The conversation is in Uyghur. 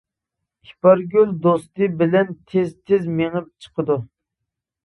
ئىپارگۈل دوستى بىلەن تېز-تېز مېڭىپ چىقىدۇ.